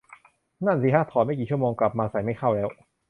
นั่นสิฮะ ถอดไม่กี่ชั่วโมง กลับมาใส่ไม่เข้าแล้ว